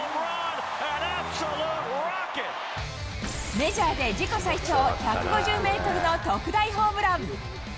メジャーで自己最長１５０メートルの特大ホームラン。